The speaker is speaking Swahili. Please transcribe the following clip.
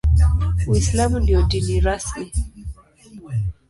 Uislamu ndio dini rasmi.